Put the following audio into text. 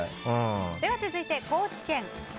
では続いて、高知県。